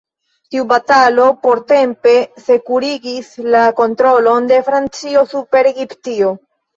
Tiu batalo portempe sekurigis la kontrolon de Francio super Egiptio.